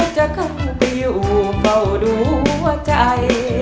จะเข้าไปอยู่เฝ้าดูหัวใจ